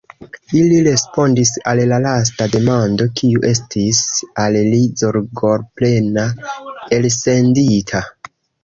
li respondis al la lasta demando, kiu estis al li zorgoplena elsendita.